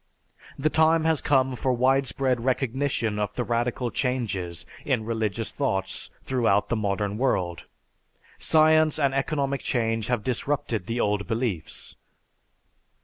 "The time has come for widespread recognition of the radical changes in religious thoughts throughout the modern world. Science and economic change have disrupted the old beliefs.